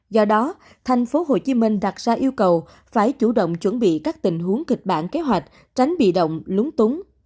do đó thành phố hồ chí minh đặt ra yêu cầu phải chủ động chuẩn bị các tình huống kịch bản kế hoạch tránh bị động lúng túng